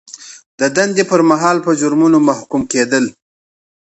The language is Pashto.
د دندې پر مهال په جرمونو محکوم کیدل.